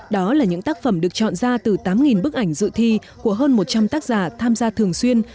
đó là những tác phẩm được chọn ra từ tám bức ảnh dự thi của hơn một trăm linh tác giả tham gia thường xuyên